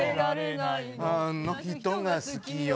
「あの人が好きよ」